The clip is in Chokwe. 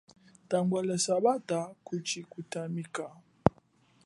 Tangwa lia sambata kushi kuthumika.